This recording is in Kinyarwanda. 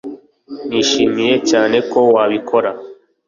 Nishimiye cyane ko wabikora